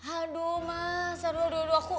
aduh mas aduh aduh aduh